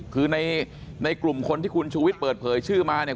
คือในกลุ่มคนที่คุณชูวิทย์เปิดเผยชื่อมาเนี่ย